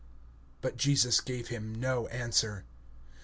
But Jesus gave him no answer.